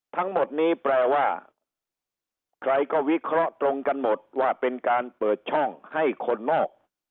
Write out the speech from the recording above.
ทั้งหมดนี้แปลว่าใครก็วิเคราะห์ตรงกันหมดว่าเป็นการเปิดช่องให้คนนอก